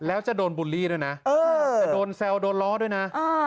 แล้วจะโดนบูลลี่ด้วยนะจะโดนแซวโดนล้อด้วยนะ